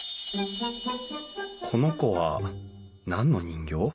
この子は何の人形？